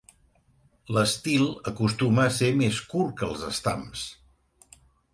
L'estil acostuma a ser més curt que els estams.